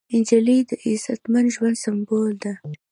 نجلۍ د عزتمن ژوند سمبول ده.